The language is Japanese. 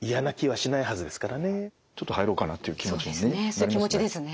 そういう気持ちですね。